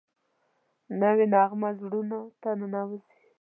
نوې نغمه زړونو ته ننوځي